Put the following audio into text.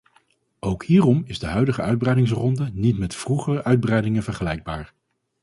Ook hierom is de huidige uitbreidingsronde niet met vroegere uitbreidingen vergelijkbaar.